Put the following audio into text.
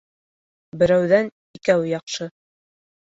Берәүҙән икәү яҡшы